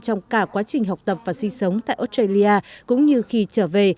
trong cả quá trình học tập và sinh sống tại australia cũng như khi trở về